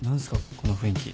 この雰囲気。